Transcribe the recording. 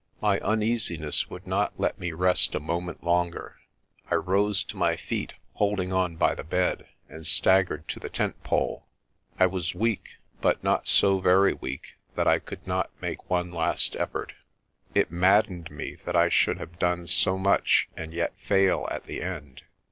My uneasiness would not let me rest a moment longer. I rose to my feet holding on by the bed, and staggered to the tent pole. I was weak but not so very weak that I could not make one last effort. It maddened me that I should have done so much and yet fail at the end.